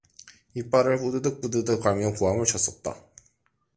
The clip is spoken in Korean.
이빨을 뿌드득뿌드득 갈며 고함을 쳤었다.